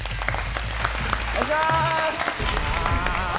お願いします！